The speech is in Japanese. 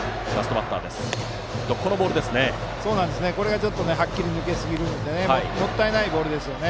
今のボールがはっきり抜けるのでもったいないボールでしたね。